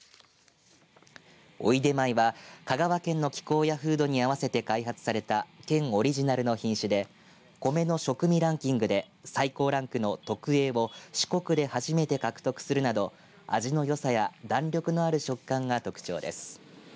おいでまいは香川県の気候や風土に合わせて開発された県オリジナルの品種で米の食味ランキングで最高ランクの特Ａを四国で初めて獲得するなど味のよさや弾力のある食感が特徴です。